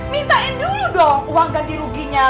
mintain dulu dong uang ganti ruginya